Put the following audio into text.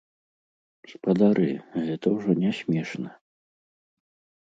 Спадары, гэта ўжо не смешна.